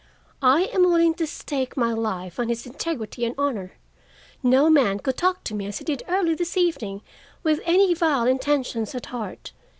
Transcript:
"I am willing to stake my life on his integrity and honor. No man could talk to me as he did early this evening with any vile intentions at heart.